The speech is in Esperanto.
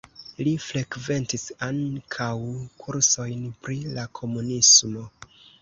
Li frekventis ankaŭ kursojn pri la komunismo.